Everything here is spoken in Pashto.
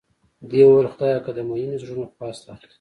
دې وویل خدایه که د مینې زړونو خواست اخلې.